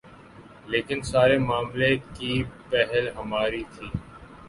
لیکن سارے معاملے کی پہل ہماری تھی۔